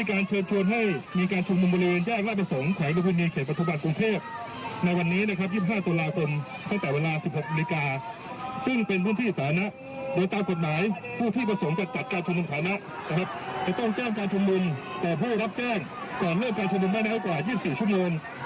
การแจ้งการชมนุมต่อผู้รับแจ้งก่อนเริ่มการชมนุมไม่แล้วกว่ายิบสี่ชั่วโน้น